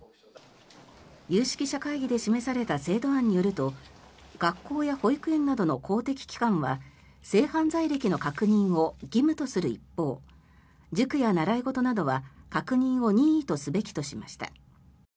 有識者会議で示された制度案によると学校や保育園などの公的機関は性犯罪歴の確認を義務とする一方塾や習い事などは確認を任意とすべきとしました。